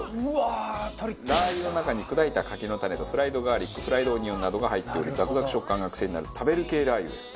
ラー油の中に砕いた柿の種とフライドガーリックフライドオニオンなどが入っておりザクザク食感が癖になる食べる系ラー油です。